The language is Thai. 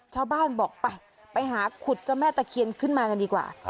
ชาวบ้านบอกไปไปหาขุดเจ้าแม่ตะเคียนขึ้นมากันดีกว่า